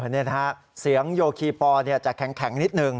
นี่นะฮะเสียงโยคีปอลจะแข็งนิดหนึ่ง